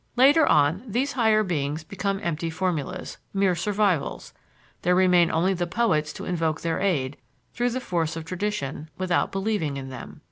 Later on these higher beings become empty formulas, mere survivals; there remain only the poets to invoke their aid, through the force of tradition, without believing in them.